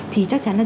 thì chắc chắn là